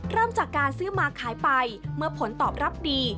เริ่มจากการซื้อมาขายไปเมื่อผลตอบรับดี